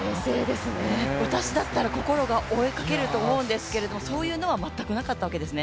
私だったら心が折れかけると思うんですがそういうのは全くなかったわけですね。